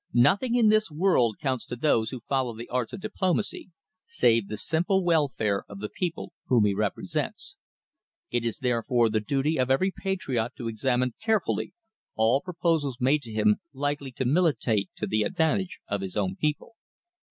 Nothing in this world counts to those who follow the arts of diplomacy, save the simple welfare of the people whom he represents. It is therefore the duty of every patriot to examine carefully all proposals made to him likely to militate to the advantage of his own people.